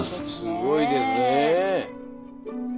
すごいですね！